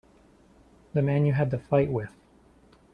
The man you had the fight with.